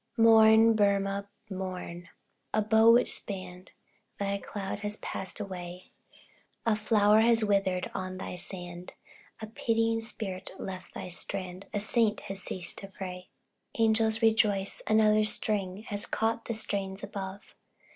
Mourn, Burmah, mourn! a bow which spanned Thy cloud has passed away; A flower has withered on thy sand, A pitying spirit left thy strand, A saint has ceased to pray. Angels rejoice, another string Has caught the strains above.